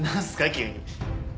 急に。